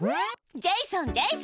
ジェイソンジェイソン。